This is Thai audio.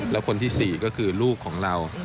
แล้วคนที่๔ก็คือลูกของเรา